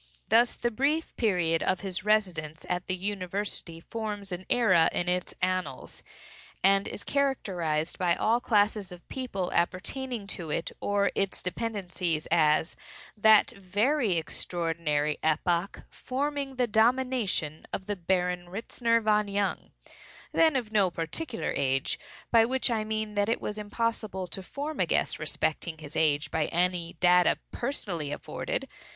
Thus the brief period of his residence at the university forms an era in its annals, and is characterized by all classes of people appertaining to it or its dependencies as "that very extraordinary epoch forming the domination of the Baron Ritzner von Jung." Upon his advent to G——n, he sought me out in my apartments. He was then of no particular age, by which I mean that it was impossible to form a guess respecting his age by any data personally afforded.